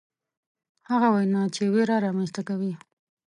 هغه وینا چې ویره رامنځته کوي.